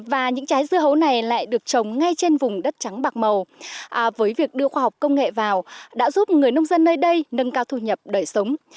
và những trái dưa hấu này lại được trồng ngay trên vùng đất trắng bạc màu với việc đưa khoa học công nghệ vào đã giúp người nông dân nơi đây nâng cao thu nhập đời sống